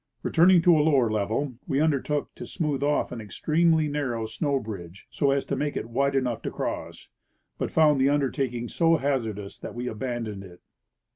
Returning to a lower level, we undertook to smooth off an extremely narrow snow bridge so as to make it wide enough to cross, but found the undertaking so hazardous that we abandoned it.